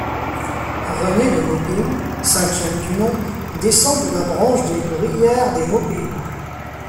René de Maupeou, cinquième du nom, descend de la branche de Bruyères des Maupeou.